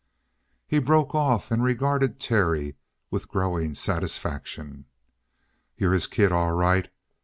He broke off and regarded Terry with a growing satisfaction. "You're his kid, all right.